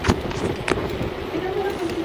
Goizueta fue un servidor cívico muy respetado.